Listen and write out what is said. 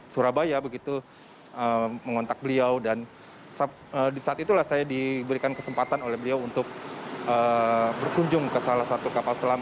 surabaya begitu mengontak beliau dan di saat itulah saya diberikan kesempatan oleh beliau untuk berkunjung ke salah satu kapal selam